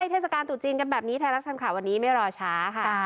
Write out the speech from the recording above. เทศกาลตรุษจีนกันแบบนี้ไทยรัฐทันข่าววันนี้ไม่รอช้าค่ะ